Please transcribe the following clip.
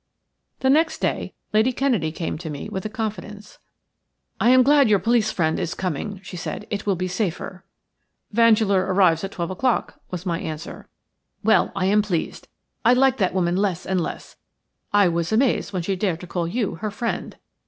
The next day Lady Kennedy came to me with a confidence. "I am glad your police friend is coming," she said. "It will be safer." "Vandeleur arrives at twelve o'clock," was my answer. "Well, I am pleased. I like that woman less and less. I was amazed when she dared to call you her friend."